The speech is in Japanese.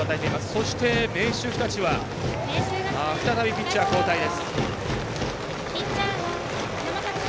そして、明秀日立は再びピッチャー交代です。